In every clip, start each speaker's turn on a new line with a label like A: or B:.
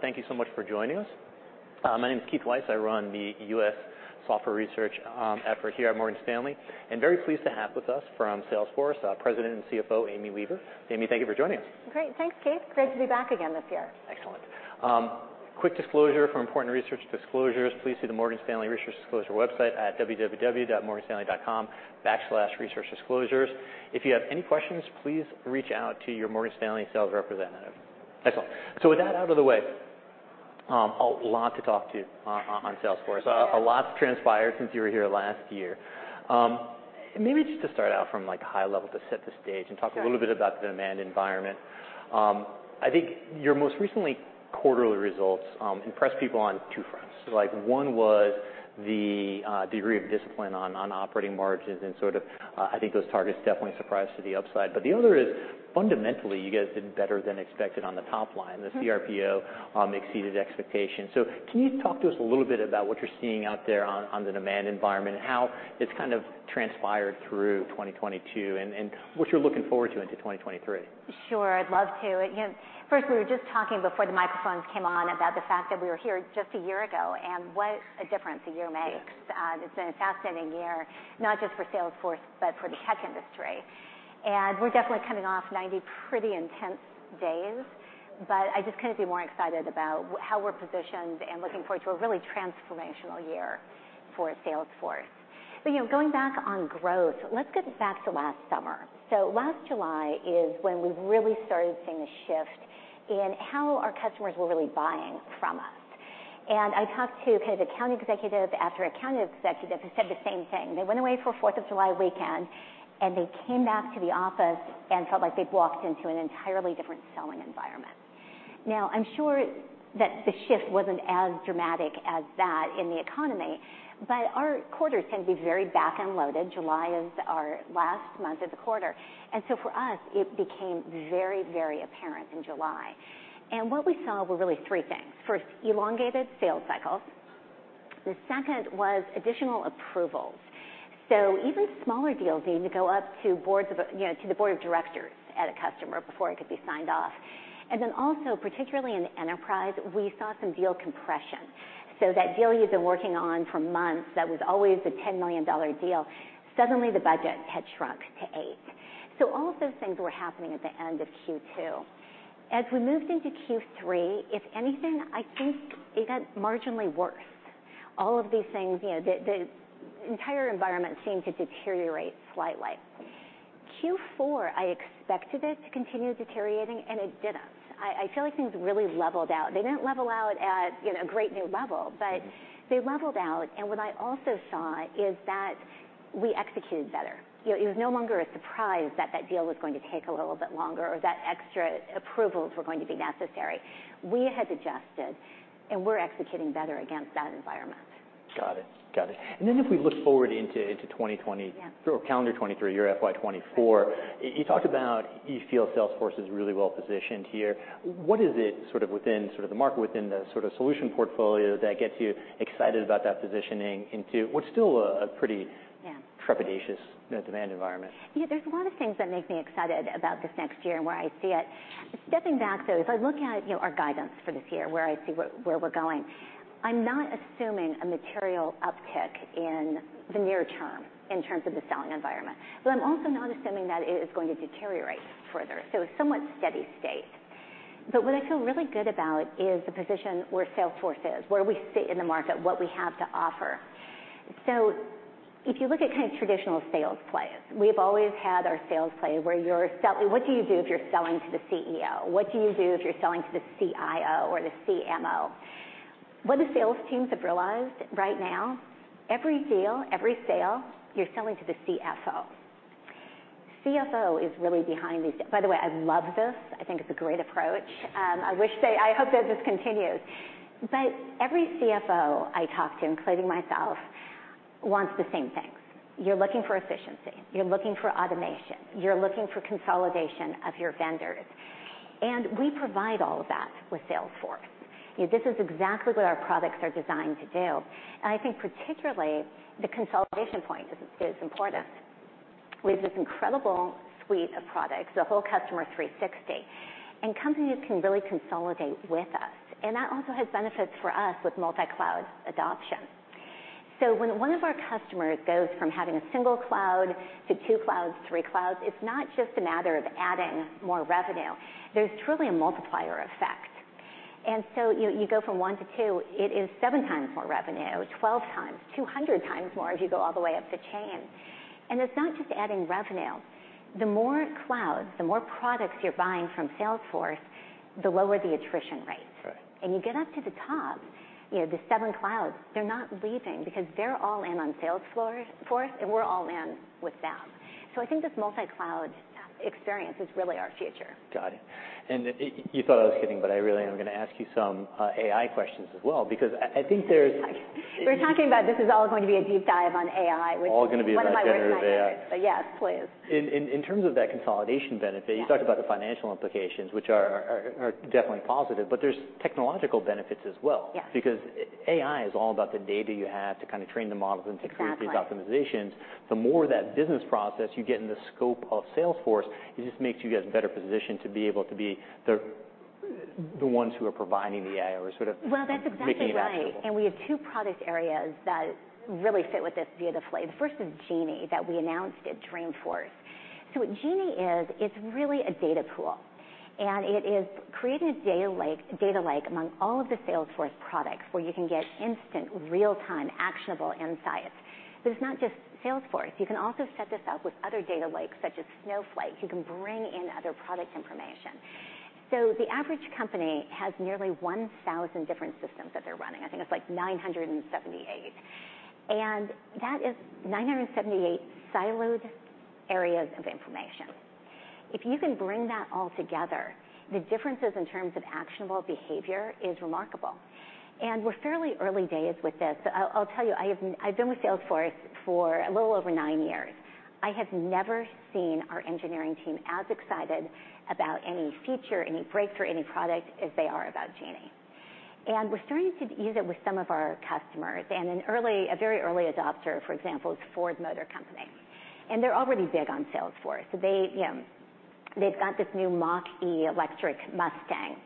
A: Thank you so much for joining us. My name is Keith Weiss. I run the U.S. Software Research effort here at Morgan Stanley. Very pleased to have with us from Salesforce, President and CFO, Amy Weaver. Amy, thank you for joining us.
B: Great. Thanks, Keith. Great to be back again this year.
A: Excellent. Quick disclosure. For important research disclosures, please see the Morgan Stanley Research Disclosure website at www.morganstanley.com/researchdisclosures. If you have any questions, please reach out to your Morgan Stanley sales representative. Excellent. With that out of the way, a lot to talk to on Salesforce.
B: Sure.
A: A lot transpired since you were here last year. Maybe just to start out from like a high level to set the stage.
B: Sure.
A: Talk a little bit about the demand environment. I think your most recently quarterly results, impressed people on two fronts. Like, one was the degree of discipline on operating margins and sort of, I think those targets definitely surprised to the upside. The other is fundamentally, you guys did better than expected on the top line. The CRPO exceeded expectations. Can you talk to us a little bit about what you're seeing out there on the demand environment, how it's kind of transpired through 2022, and what you're looking forward to into 2023?
B: Sure. I'd love to. You know, first, we were just talking before the microphones came on about the fact that we were here just a year ago and what a difference a year makes. It's been a fascinating year, not just for Salesforce, but for the tech industry. We're definitely coming off 90 pretty intense days, but I just couldn't be more excited about how we're positioned and looking forward to a really transformational year for Salesforce. You know, going back on growth, let's go back to last summer. Last July is when we really started seeing a shift in how our customers were really buying from us. I talked to kind of account executive after account executive who said the same thing. They went away for 4th of July weekend, and they came back to the office and felt like they'd walked into an entirely different selling environment. Now, I'm sure that the shift wasn't as dramatic as that in the economy, but our quarters can be very back-end loaded. July is our last month of the quarter. For us, it became very, very apparent in July. What we saw were really three things. First, elongated sales cycles. The second was additional approvals. Even smaller deals needing to go up to you know, to the board of directors at a customer before it could be signed off. Also, particularly in the enterprise, we saw some deal compression. That deal you've been working on for months, that was always the $10 million deal, suddenly the budget had shrunk to $8 million. All of those things were happening at the end of Q2. We moved into Q3, if anything, I think it got marginally worse. All of these things, you know, the entire environment seemed to deteriorate slightly. Q4, I expected it to continue deteriorating, and it didn't. I feel like things really leveled out. They didn't level out at, you know, a great new level, but. They leveled out. What I also saw is that we executed better. You know, it was no longer a surprise that that deal was going to take a little bit longer or that extra approvals were going to be necessary. We had adjusted, and we're executing better against that environment.
A: Got it. If we look forward into.
B: Yeah.
A: Calendar 2023, your FY 2024. You talked about you feel Salesforce is really well positioned here. What is it sort of within sort of the market, within the sort of solution portfolio that gets you excited about that positioning into what's still a pretty?
B: Yeah.
A: Trepidatious, you know, demand environment?
B: You know, there's a lot of things that make me excited about this next year and where I see it. Stepping back, though, if I look at, you know, our guidance for this year, where I see where we're going, I'm not assuming a material uptick in the near term in terms of the selling environment. I'm also not assuming that it is going to deteriorate further. Somewhat steady state. What I feel really good about is the position where Salesforce is, where we sit in the market, what we have to offer. If you look at kind of traditional sales plays, we've always had our sales play where you're What do you do if you're selling to the CEO? What do you do if you're selling to the CIO or the CMO? What the sales teams have realized right now, every deal, every sale, you're selling to the CFO. CFO is really behind these. By the way, I love this. I think it's a great approach. I hope that this continues. Every CFO I talk to, including myself, wants the same things. You're looking for efficiency. You're looking for automation. You're looking for consolidation of your vendors. We provide all of that with Salesforce. You know, this is exactly what our products are designed to do. I think particularly the consolidation point is important. We have this incredible suite of products, the whole customer 360, and companies can really consolidate with us, and that also has benefits for us with multi-cloud adoption. When one of our customers goes from having a single cloud to two clouds, three clouds, it's not just a matter of adding more revenue. There's truly a multiplier effect. You go from one to two, it is seven times more revenue, 12 times, 200 times more as you go all the way up the chain. It's not just adding revenue. The more clouds, the more products you're buying from Salesforce, the lower the attrition rates.
A: Right.
B: You get up to the top, you know, the seven clouds, they're not leaving because they're all in on Salesforce, and we're all in with them. I think this multi-cloud experience is really our future.
A: Got it. You thought I was kidding, but I really am gonna ask you some AI questions as well because I think there's.
B: We were talking about this is all going to be a deep dive on AI, which.
A: All gonna be about generative AI.
B: One of my favorite subjects. Yes, please.
A: In terms of that consolidation benefit.
B: Yeah.
A: You talked about the financial implications, which are definitely positive, but there's technological benefits as well.
B: Yes.
A: Because AI is all about the data you have to kind of train the models and to create.
B: Exactly.
A: These optimizations, the more of that business process you get in the scope of Salesforce, it just makes you guys better positioned to be able to be the ones who are providing the AI or sort of.
B: Well, that's exactly right.
A: Making it actionable.
B: We have two product areas that really fit with this beautifully. The first is Genie, that we announced at Dreamforce. What Genie is, it's really a data pool, and it is creating a data lake among all of the Salesforce products where you can get instant, real-time, actionable insights. It's not just Salesforce. You can also set this up with other data lakes such as Snowflake. You can bring in other product information. The average company has nearly 1,000 different systems that they're running. I think it's like 978. That is 978 siloed areas of information. If you can bring that all together, the differences in terms of actionable behavior is remarkable. We're fairly early days with this. I'll tell you, I've been with Salesforce for a little over nine years. I have never seen our engineering team as excited about any feature, any breakthrough, any product, as they are about Genie. We're starting to use it with some of our customers. An early, a very early adopter, for example, is Ford Motor Company, and they're already big on Salesforce. They, you know, they've got this new Mach-E electric Mustang,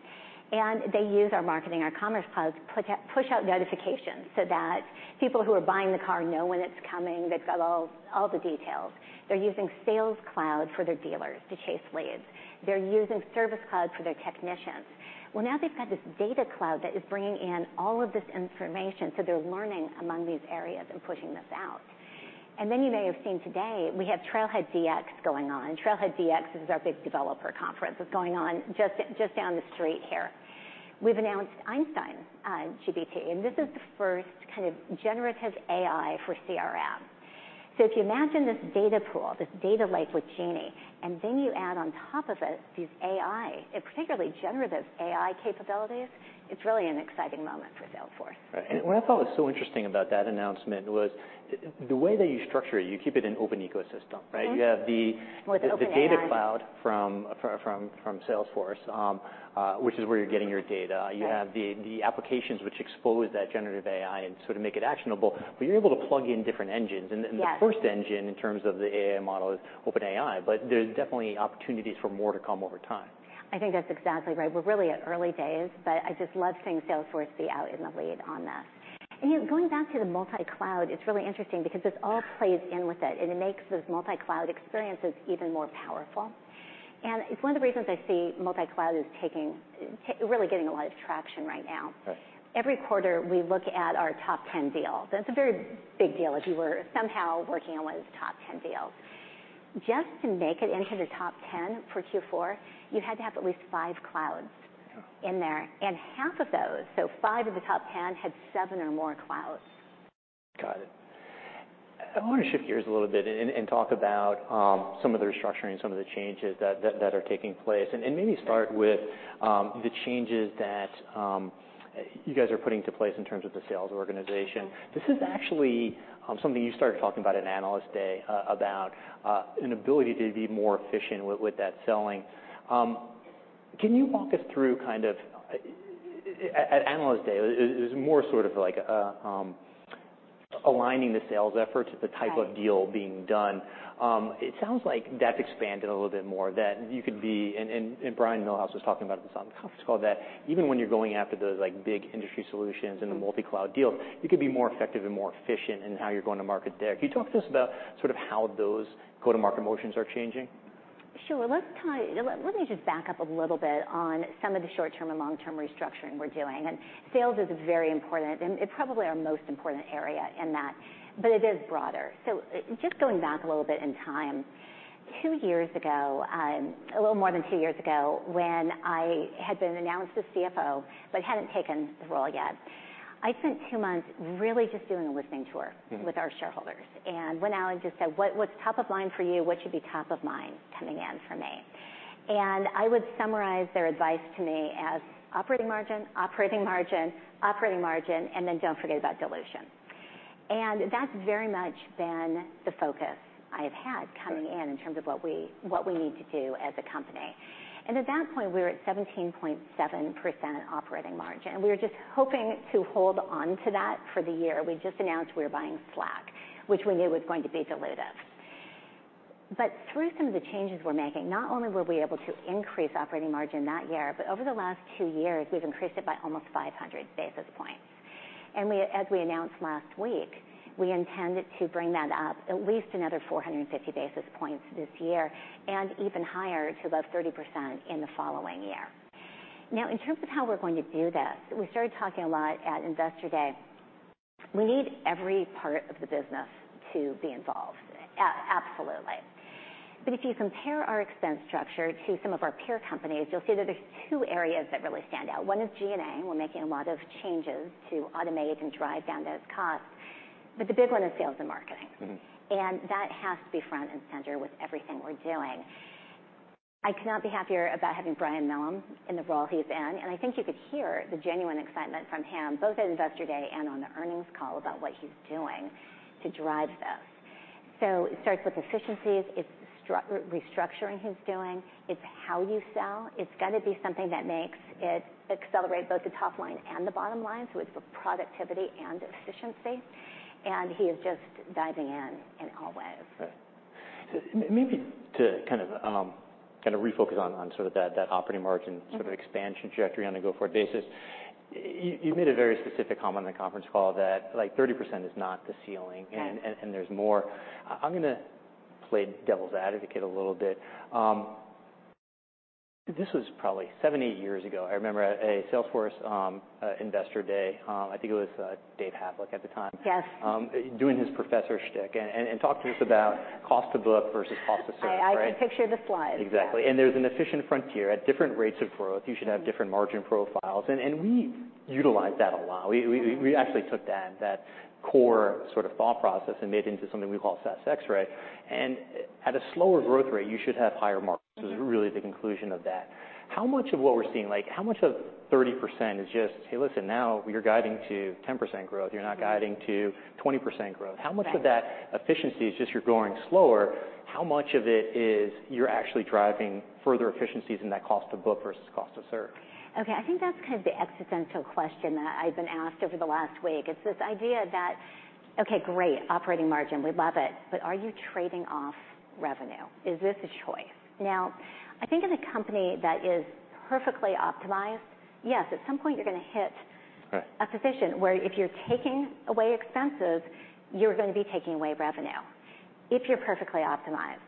B: and they use our marketing, our Commerce Cloud to push out notifications so that people who are buying the car know when it's coming. They've got all the details. They're using Sales Cloud for their dealers to chase leads. They're using Service Cloud for their technicians. Now they've got this Data Cloud that is bringing in all of this information, so they're learning among these areas and pushing this out. Many may have seen today we have TrailblazerDX going on. TrailblazerDX is our big developer conference that's going on just down the street here. We've announced Einstein GPT, this is the first kind of generative AI for CRM. If you imagine this data pool, this data lake with Genie, then you add on top of it these AI, particularly generative AI capabilities, it's really an exciting moment for Salesforce.
A: Right. What I thought was so interesting about that announcement was the way that you structure it, you keep it an open ecosystem, right? You have.
B: With OpenAI.
A: The Data Cloud from Salesforce, which is where you're getting your data.
B: Right.
A: You have the applications which expose that generative AI and sort of make it actionable, but you're able to plug in different engines.
B: Yes.
A: The first engine in terms of the AI model is OpenAI, but there's definitely opportunities for more to come over time.
B: I think that's exactly right. We're really at early days, but I just love seeing Salesforce be out in the lead on this. Going back to the multi-cloud, it's really interesting because this all plays in with it, and it makes those multi-cloud experiences even more powerful. It's one of the reasons I see multi-cloud as taking really getting a lot of traction right now.
A: Right.
B: Every quarter, we look at our top 10 deals. That's a very big deal if you were somehow working on one of those top 10 deals. Just to make it into the top 10 for Q4, you had to have at least five clouds in there. Half of those, so five of the top 10, had seven or more clouds.
A: Got it. I wanna shift gears a little bit and talk about some of the restructuring, some of the changes that are taking place, and maybe start with the changes that you guys are putting into place in terms of the sales organization. This is actually something you started talking about at Investor Day about an ability to be more efficient with that selling. Can you walk us through kind of, at Investor Day it was more sort of like aligning the sales efforts with the type of deal being done. It sounds like that's expanded a little bit more, that you could be. Brian Millham was talking about this on the conference call, that even when you're going after those, like, big industry solutions and the multi-cloud deals, you could be more effective and more efficient in how you're going to market there. Can you talk to us about sort of how those go-to-market motions are changing?
B: Sure. Let's kind of let me just back up a little bit on some of the short-term and long-term restructuring we're doing. Sales is very important, and it's probably our most important area in that, but it is broader. Just going back a little bit in time, two years ago, a little more than two years ago, when I had been announced as CFO but hadn't taken the role yet, I spent two months really just doing a listening tour. With our shareholders. Went out and just said, "What's top of mind for you? What should be top of mind coming in for me?" I would summarize their advice to me as operating margin, operating margin, operating margin, and then don't forget about dilution. That's very much been the focus I have had coming in.
A: Right.
B: In terms of what we, what we need to do as a company. At that point, we were at 17.7% operating margin, and we were just hoping to hold onto that for the year. We just announced we were buying Slack, which we knew was going to be dilutive. Through some of the changes we're making, not only were we able to increase operating margin that year, but over the last two years, we've increased it by almost 500 basis points. We, as we announced last week, we intended to bring that up at least another 450 basis points this year and even higher to above 30% in the following year. In terms of how we're going to do this, we started talking a lot at Investor Day. We need every part of the business to be involved. Absolutely. If you compare our expense structure to some of our peer companies, you'll see that there's two areas that really stand out. One is G&A. We're making a lot of changes to automate and drive down those costs. The big one is sales and marketing. That has to be front and center with everything we're doing. I could not be happier about having Brian Millham in the role he's in, and I think you could hear the genuine excitement from him, both at Investor Day and on the earnings call, about what he's doing to drive this. It starts with efficiencies. It's restructuring he's doing. It's how you sell. It's gotta be something that makes it accelerate both the top line and the bottom line, so it's both productivity and efficiency, and he is just diving in in all ways.
A: Right. Maybe to kind of refocus on sort of that operating margin. Sort of expansion trajectory on a go-forward basis. You made a very specific comment on the conference call that, like 30% is not the ceiling.
B: Right.
A: There's more. I'm gonna play devil's advocate a little bit. This was probably seven, eight years ago. I remember a Salesforce, Investor Day, I think it was, David Havlek at the time.
B: Yes.
A: Doing his professor shtick. and talked to us about cost to book versus cost to serve, right?
B: I can picture the slide.
A: Exactly. There's an efficient frontier. At different rates of growth, you should have different margin profiles. We utilize that a lot. We actually took that core sort of thought process and made it into something we call SaaS X-Ray. At a slower growth rate, you should have higher margins, was really the conclusion of that. How much of what we're seeing, like how much of 30% is just, hey, listen, now you're guiding to 10% growth, you're now guiding to 20% growth.
B: Right.
A: How much of that efficiency is just you're growing slower? How much of it is you're actually driving further efficiencies in that cost to book versus cost to serve?
B: Okay, I think that's kind of the existential question that I've been asked over the last week. It's this idea that, okay, great, operating margin, we love it, but are you trading off revenue? Is this a choice? Now, I think in a company that is perfectly optimized, yes, at some point you're gonna hit.
A: Right.
B: A position where if you're taking away expenses, you're gonna be taking away revenue, if you're perfectly optimized.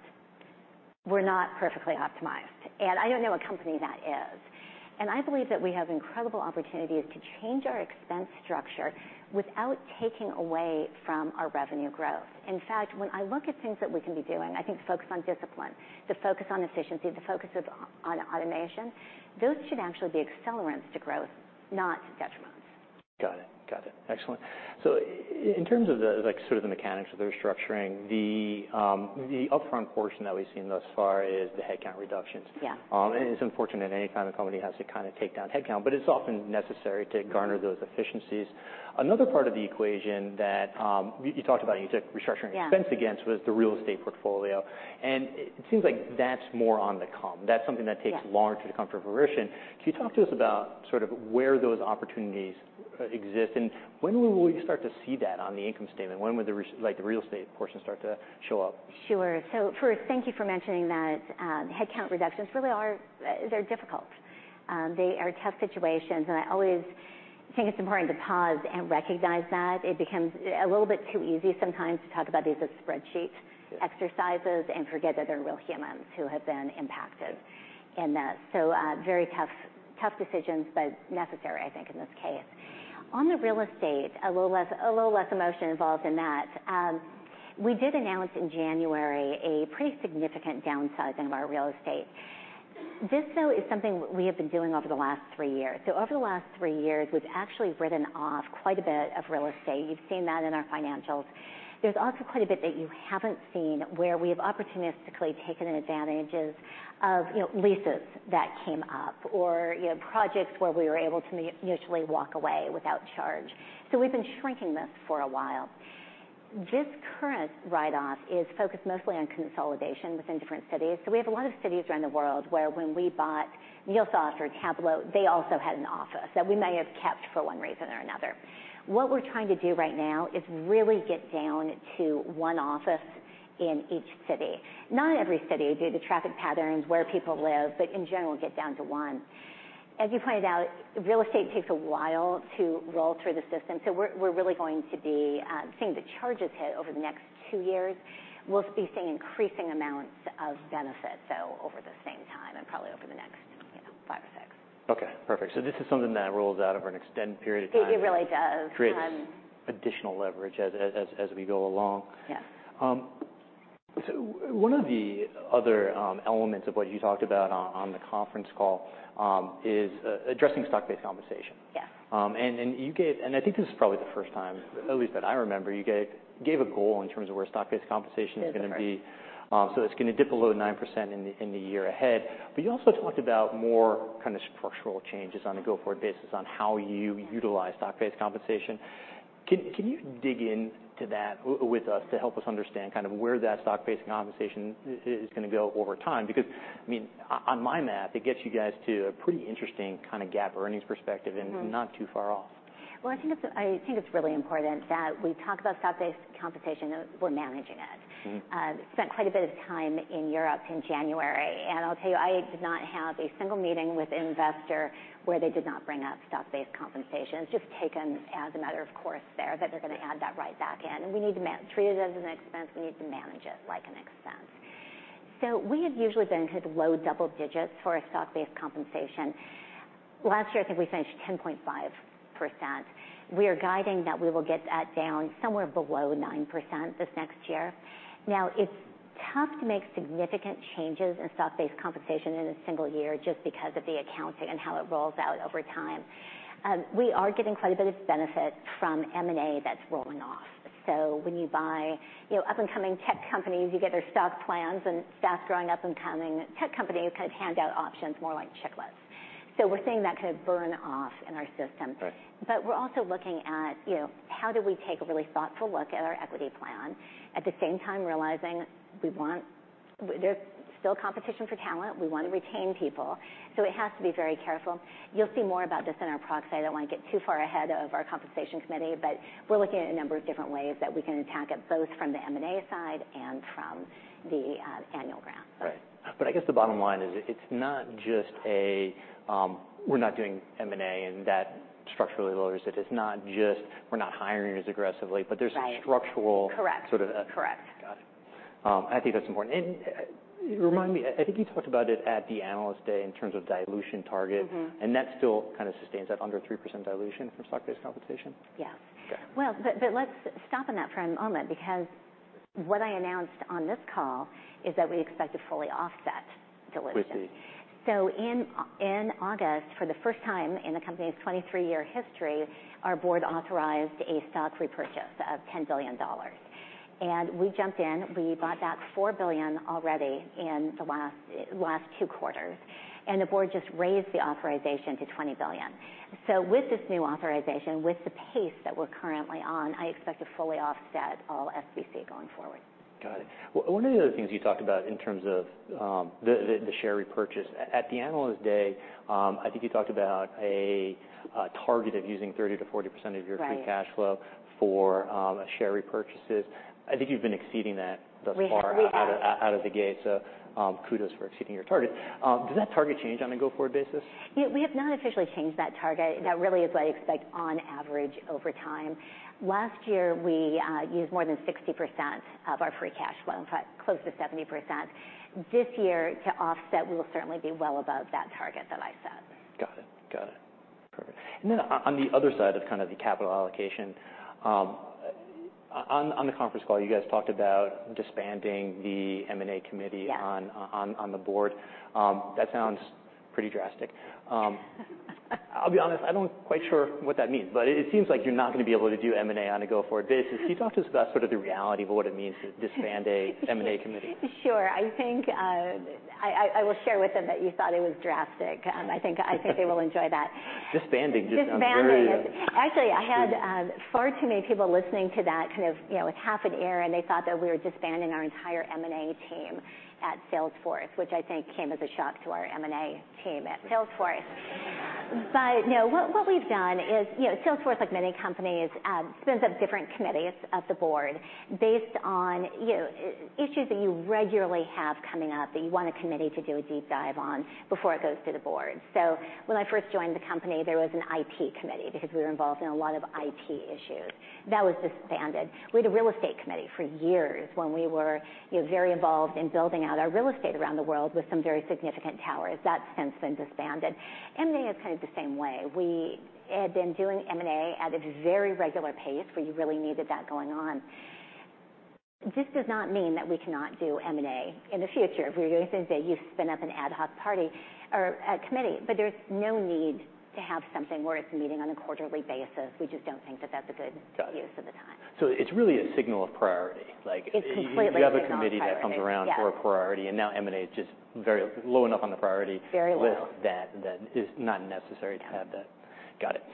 B: We're not perfectly optimized, and I don't know a company that is. I believe that we have incredible opportunities to change our expense structure without taking away from our revenue growth. In fact, when I look at things that we can be doing, I think the focus on discipline, the focus on efficiency, the focus on automation, those should actually be accelerants to growth, not detriments.
A: Got it. Excellent. In terms of the, like sort of the mechanics of the restructuring, the upfront portion that we've seen thus far is the headcount reductions.
B: Yeah.
A: It's unfortunate any time a company has to kind of take down headcount, but it's often necessary to garner those efficiencies. Another part of the equation that you talked about, you took restructuring expense against.
B: Yeah.
A: Was the real estate portfolio. It seems like that's more on the come. That's something that takes.
B: Yeah.
A: Longer to come to fruition. Can you talk to us about sort of where those opportunities exist, and when will we start to see that on the income statement? When will the like the real estate portion start to show up?
B: Sure. First, thank you for mentioning that, headcount reductions really are, they're difficult. They are tough situations, and I always think it's important to pause and recognize that. It becomes a little bit too easy sometimes to talk about these as spreadsheet exercises and forget that they're real humans who have been impacted in that. Very tough decisions, but necessary, I think, in this case. On the real estate, a little less, a little less emotion involved in that. We did announce in January a pretty significant downsizing of our real estate. This, though, is something we have been doing over the last three years. Over the last three years, we've actually written off quite a bit of real estate. You've seen that in our financials. There's also quite a bit that you haven't seen, where we have opportunistically taken advantages of, you know, leases that came up or, you know, projects where we were able to mutually walk away without charge. We've been shrinking this for a while. This current write-off is focused mostly on consolidation within different cities. We have a lot of cities around the world where when we bought MuleSoft or Tableau, they also had an office that we may have kept for one reason or another. What we're trying to do right now is really get down to one office in each city. Not every city due to traffic patterns, where people live, but in general get down to one. As you pointed out, real estate takes a while to roll through the system, so we're really going to be seeing the charges hit over the next two years. We'll be seeing increasing amounts of benefit, though, over the same time and probably over the next, you know, five or six.
A: Okay. Perfect. This is something that rolls out over an extended period of time.
B: It really does.
A: Creates additional leverage as we go along.
B: Yeah.
A: One of the other elements of what you talked about on the conference call, is addressing stock-based compensation.
B: Yeah.
A: I think this is probably the first time, at least that I remember, you gave a goal in terms of where stock-based compensation is gonna be.
B: That's correct.
A: It's gonna dip below 9% in the year ahead. You also talked about more kind of structural changes on a go-forward basis on how you utilize stock-based compensation. Can you dig into that with us to help us understand kind of where that stock-based compensation is gonna go over time? Because, I mean, on my math, it gets you guys to a pretty interesting kind of GAAP earnings perspective. Not too far off.
B: Well, I think it's really important that we talk about stock-based compensation as we're managing it. Spent quite a bit of time in Europe in January, and I'll tell you, I did not have a single meeting with an investor where they did not bring up stock-based compensation. It's just taken as a matter of course there that they're gonna add that right back in, and we need to treat it as an expense. We need to manage it like an expense. We have usually been hit low double digits for our stock-based compensation. Last year, I think we finished 10.5%. We are guiding that we will get that down somewhere below 9% this next year. Now, it's tough to make significant changes in stock-based compensation in a single year just because of the accounting and how it rolls out over time. We are getting quite a bit of benefit from M&A that's rolling off. When you buy, you know, up-and-coming tech companies, you get their stock plans, and staff growing up and coming. Tech company kind of hand out options more like checklists. We're seeing that kind of burn off in our system.
A: Right.
B: We're also looking at, you know, how do we take a really thoughtful look at our equity plan, at the same time realizing There's still competition for talent. We wanna retain people. It has to be very careful. You'll see more about this in our proxy. I don't wanna get too far ahead of our compensation committee. We're looking at a number of different ways that we can attack it, both from the M&A side and from the annual grant.
A: Right. I guess the bottom line is it's not just a, we're not doing M&A and that structurally lowers it. It's not just we're not hiring as aggressively.
B: Right.
A: But there's structural.
B: Correct
A: Sort of.
B: Correct.
A: Got it. I think that's important. Remind me, I think you talked about it at the Analyst Day in terms of dilution target. That still kind of sustains that under 3% dilution from stock-based compensation?
B: Yeah.
A: Got it.
B: Well, let's stop on that for a moment because what I announced on this call is that we expect to fully offset dilution.
A: With the.
B: In August, for the first time in the company's 23-year history, our board authorized a stock repurchase of $10 billion. We jumped in. We bought back $4 billion already in the last two quarters, and the board just raised the authorization to $20 billion. With this new authorization, with the pace that we're currently on, I expect to fully offset all SBC going forward.
A: Got it. One of the other things you talked about in terms of the share repurchase. At the Investor Day, I think you talked about a target of using 30%-40% of your.
B: Right
A: Free cash flow for share repurchases. I think you've been exceeding that thus far.
B: We have.
A: Out of the gate, so, kudos for exceeding your target. Does that target change on a go-forward basis?
B: Yeah, we have not officially changed that target. That really is what I expect on average over time. Last year, we used more than 60% of our free cash flow. In fact, close to 70%. This year, to offset, we will certainly be well above that target that I set.
A: Got it. Got it. Perfect. On the other side of kinda the capital allocation, on the conference call, you guys talked about disbanding the M&A committee.
B: Yeah.
A: On the board that sounds pretty drastic. I'll be honest, I don't quite sure what that means, but it seems like you're not gonna be able to do M&A on a go-forward basis. Can you talk to us about sort of the reality of what it means to disband a M&A committee?
B: Sure. I think, I will share with them that you thought it was drastic. I think they will enjoy that.
A: Disbanding just sounds very.
B: Disbanding. Actually, I had far too many people listening to that kind of, you know, with half an ear, and they thought that we were disbanding our entire M&A team at Salesforce, which I think came as a shock to our M&A team at Salesforce. No, what we've done is, you know, Salesforce, like many companies, spins up different committees at the board based on, you know, issues that you regularly have coming up that you want a committee to do a deep dive on before it goes to the board. When I first joined the company, there was an IT committee because we were involved in a lot of IT issues. That was disbanded. We had a real estate committee for years when we were, you know, very involved in building out our real estate around the world with some very significant towers. That's since been disbanded. M&A is kind of the same way. We had been doing M&A at a very regular pace, where you really needed that going on. This does not mean that we cannot do M&A in the future. If we were gonna do that, you spin up an ad hoc party or a committee. There's no need to have something where it's meeting on a quarterly basis. We just don't think that that's a good.
A: Got it.
B: Use of the time.
A: It's really a signal of priority.
B: It completely is on priority.
A: You have a committee that comes around for a priority.
B: Yeah.
A: Now M&A is just very low enough on the priority.
B: Very low.
A: List that, it's not necessary to have that.
B: Yeah.
A: Got it.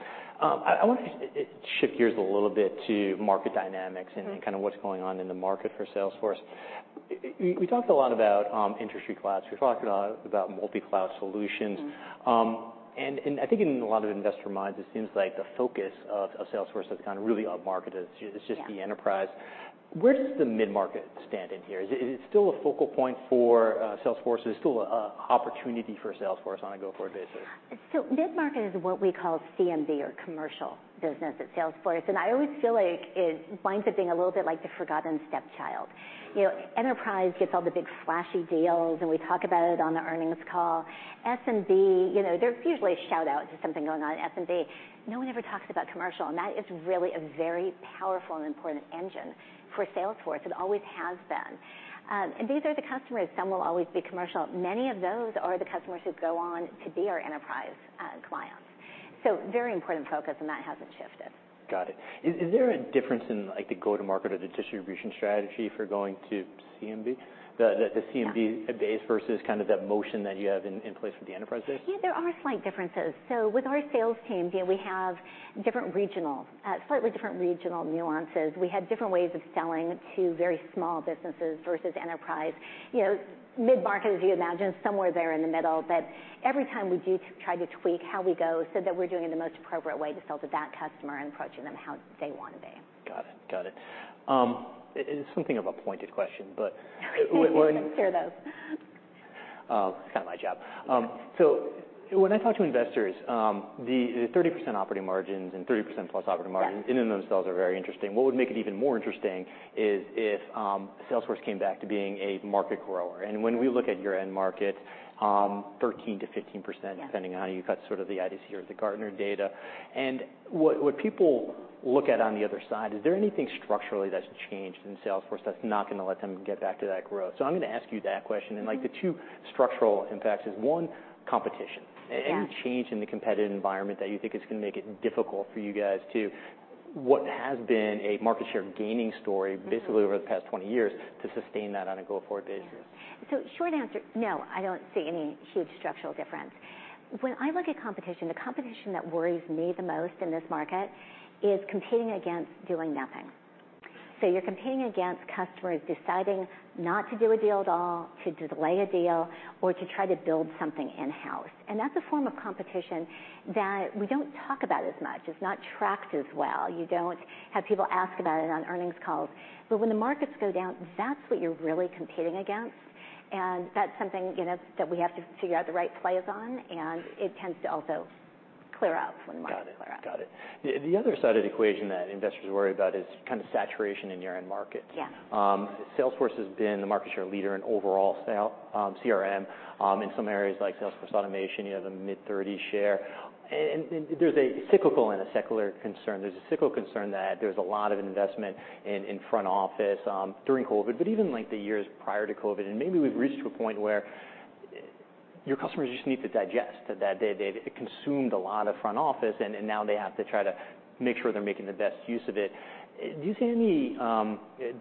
A: I want to shift gears a little bit to market dynamics and then kind of what's going on in the market for Salesforce. We talked a lot about industry clouds. We've talked a lot about multi-cloud solutions. I think in a lot of investor minds, it seems like the focus of Salesforce has kind of really up-marketed.
B: Yeah.
A: It's just the enterprise. Where does the mid-market stand in here? Is it still a focal point for Salesforce or still opportunity for Salesforce on a go-forward basis?
B: Mid-market is what we call CMB or commercial business at Salesforce. I always feel like it winds up being a little bit like the forgotten stepchild. You know, enterprise gets all the big, flashy deals. We talk about it on the earnings call. SMB, you know, there's usually a shout-out to something going on in SMB. No one ever talks about commercial. That is really a very powerful and important engine for Salesforce. It always has been. These are the customers, some will always be commercial. Many of those are the customers who go on to be our enterprise clients, so very important focus, and that hasn't shifted.
A: Got it. Is there a difference in, like, the go-to-market or the distribution strategy for going to CMB? The CMB base versus kind of that motion that you have in place for the enterprise base?
B: Yeah, there are slight differences. With our sales team, you know, we have different regional, slightly different regional nuances. We have different ways of selling to very small businesses versus enterprise. You know, mid-market, as you imagine, somewhere there in the middle. Every time we do try to tweak how we go so that we're doing it in the most appropriate way to sell to that customer and approaching them how they wanna be.
A: Got it. It is something of a pointed question, but.
B: We can hear those.
A: It's kinda my job. When I talk to investors, the 30% operating margins and 30%+ operating margins.
B: Yeah.
A: In and of themselves are very interesting. What would make it even more interesting is if, Salesforce came back to being a market grower. When we look at your end market, 13%-15%.
B: Yeah.
A: Depending on how you cut sort of the IDC or the Gartner data. What people look at on the other side, is there anything structurally that's changed in Salesforce that's not gonna let them get back to that growth? I'm gonna ask you that question. Like, the two structural impacts is, one, competition.
B: Yeah.
A: Any change in the competitive environment that you think is gonna make it difficult for you guys to, what has been a market share gaining story basically over the past 20 years, to sustain that on a go-forward basis?
B: Yeah. Short answer, no, I don't see any huge structural difference. When I look at competition, the competition that worries me the most in this market is competing against doing nothing. You're competing against customers deciding not to do a deal at all, to delay a deal, or to try to build something in-house. That's a form of competition that we don't talk about as much. It's not tracked as well. You don't have people ask about it on earnings calls. When the markets go down, that's what you're really competing against, and that's something, you know, that we have to figure out the right plays on, and it tends to also clear out when the markets clear out.
A: Got it. The other side of the equation that investors worry about is kind of saturation in your end market.
B: Yeah.
A: Salesforce has been the market share leader in overall sale, CRM. In some areas like Sales Force Automation, you have the mid-30 share. There's a cyclical and a secular concern. There's a cyclical concern that there's a lot of investment in front office during COVID, but even like the years prior to COVID. Maybe we've reached to a point where your customers just need to digest that they've consumed a lot of front office, and now they have to try to make sure they're making the best use of it. Do you see any,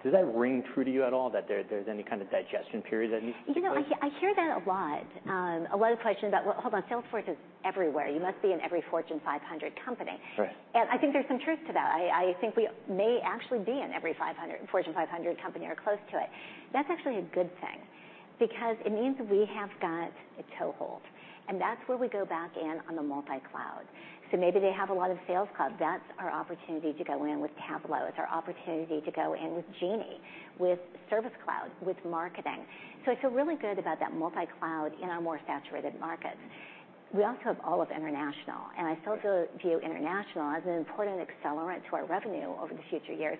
A: does that ring true to you at all, that there's any kind of digestion period that needs to take place?
B: You know, I hear that a lot. A lot of questions about, "Well, hold on, Salesforce is everywhere. You must be in every Fortune 500 company.
A: Right.
B: I think there's some truth to that. I think we may actually be in every Fortune 500 company or close to it. That's actually a good thing because it means we have got a toehold, and that's where we go back in on the multi-cloud. Maybe they have a lot of Sales Cloud. That's our opportunity to go in with Tableau. It's our opportunity to go in with Genie, with Service Cloud, with marketing. I feel really good about that multi-cloud in our more saturated markets. We also have all of international, and I still go view international as an important accelerant to our revenue over the future years,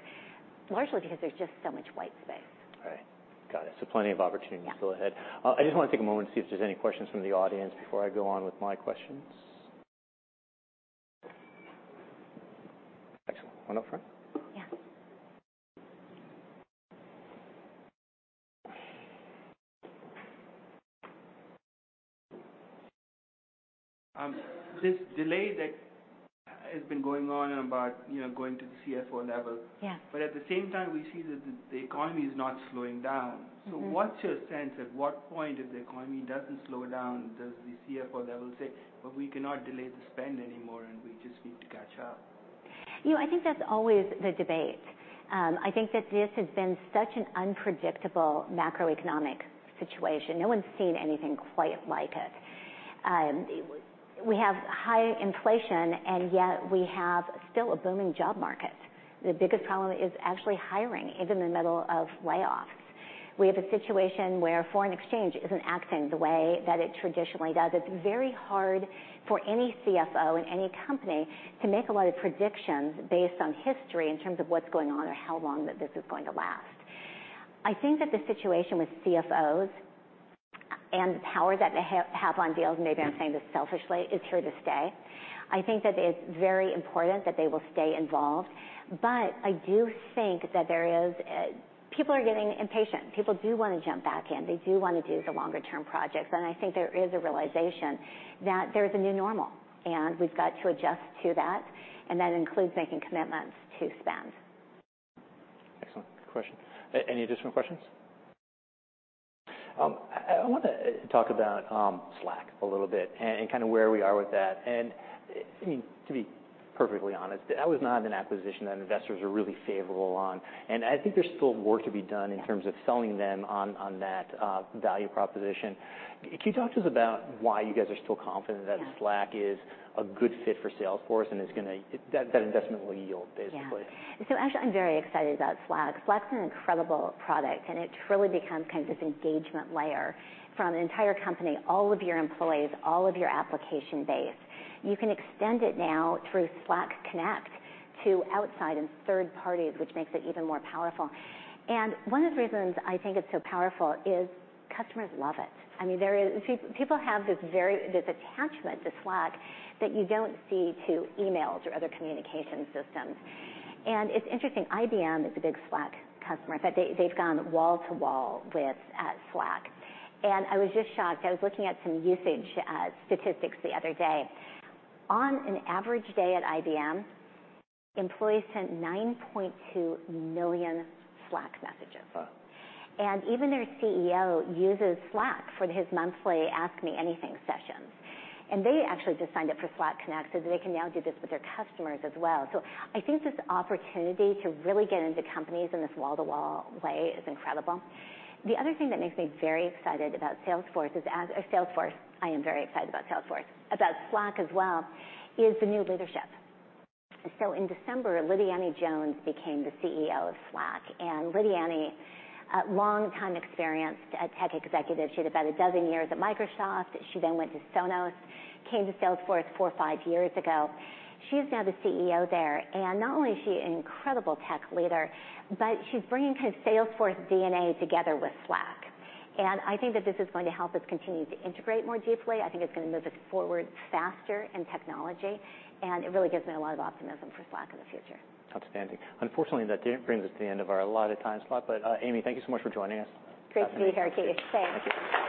B: largely because there's just so much white space.
A: Right. Got it, so plenty of opportunities still ahead.
B: Yeah.
A: I just wanna take a moment to see if there's any questions from the audience before I go on with my questions. Excellent. One up front.
B: Yeah.
C: This delay that has been going on about, you know, going to the CFO level.
B: Yeah.
C: At the same time, we see that the economy is not slowing down. What's your sense, at what point if the economy doesn't slow down, does the CFO level say, "But we cannot delay the spend anymore and we just need to catch up"?
B: You know, I think that's always the debate. I think that this has been such an unpredictable macroeconomic situation. No one's seen anything quite like it. We have high inflation, yet we have still a booming job market. The biggest problem is actually hiring, even in the middle of layoffs. We have a situation where foreign exchange isn't acting the way that it traditionally does. It's very hard for any CFO in any company to make a lot of predictions based on history in terms of what's going on or how long that this is going to last. I think that the situation with CFOs and the power that they have on deals, maybe I'm saying this selfishly, is here to stay. I think that it's very important that they will stay involved. I do think that there is people are getting impatient. People do wanna jump back in. They do wanna do the longer term projects, and I think there is a realization that there's a new normal, and we've got to adjust to that, and that includes making commitments to spend.
A: Excellent. Good question. Any additional questions? I wanna talk about Slack a little bit and kinda where we are with that. I mean, to be perfectly honest, that was not an acquisition that investors are really favorable on, and I think there's still work to be done in terms of selling them on that value proposition. Can you talk to us about why you guys are still confident?
B: Yeah.
A: That Slack is a good fit for Salesforce and is gonna, that investment will yield, basically?
B: Yeah. Actually, I'm very excited about Slack. Slack's an incredible product. It truly becomes kind of this engagement layer from an entire company, all of your employees, all of your application base. You can extend it now through Slack Connect to outside third parties, which makes it even more powerful. One of the reasons I think it's so powerful is customers love it. I mean, there is people have this very, this attachment to Slack that you don't see to emails or other communication systems. It's interesting, IBM is a big Slack customer. In fact, they've gone wall to wall with Slack. I was just shocked. I was looking at some usage statistics the other day. On an average day at IBM, employees sent 9.2 million Slack messages.
A: Whoa.
B: Even their CEO uses Slack for his monthly Ask Me Anything sessions. They actually just signed up for Slack Connect, so they can now do this with their customers as well. I think this opportunity to really get into companies in this wall-to-wall way is incredible. The other thing that makes me very excited about Salesforce is Salesforce, I am very excited about Salesforce. About Slack as well is the new leadership. In December, Lidiane Jones became the CEO of Slack, and Lidiane, a longtime experienced tech executive. She had about 12 years at Microsoft. She then went to Sonos, came to Salesforce four or five years ago. She's now the CEO there, and not only is she an incredible tech leader, but she's bringing kind of Salesforce DNA together with Slack. I think that this is going to help us continue to integrate more deeply. I think it's gonna move us forward faster in technology. It really gives me a lot of optimism for Slack in the future.
A: Outstanding. Unfortunately, that brings us to the end of our allotted time slot. Amy, thank you so much for joining us.
B: Great to be here, Keith. Thanks.